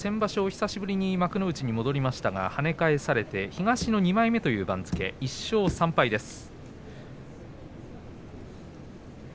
久しぶりに幕内に戻りましたが跳ね返されて東の２枚目という番付１勝３敗です。